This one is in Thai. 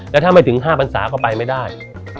แล้วถ้าไม่ถึง๕พันศาก็ไปไม่ได้